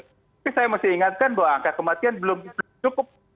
tapi saya masih ingatkan bahwa angka kematian belum cukup